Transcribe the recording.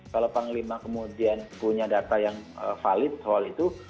kalau panglima kemudian punya data yang valid soal itu